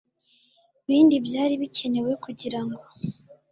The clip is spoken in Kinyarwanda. bindi byari bikenewe kugirango